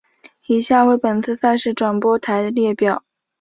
以下为本次赛事转播台列表。